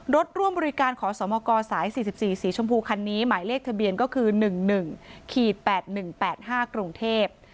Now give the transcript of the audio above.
รถร่วมบริการขอสมกสาย๔๔สีชมพูคันนี้หมายเลขทะเบียนก็คือ๑๑๘๑๘๕กรุงเทพ